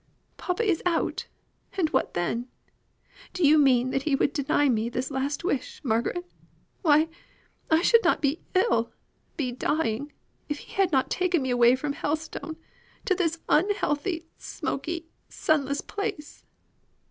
"Papa is out! and what then? Do you mean that he would deny me this last wish, Margaret? Why, I should not be ill, be dying if he had not taken me away from Helstone, to this unhealthy, smoky, sunless place."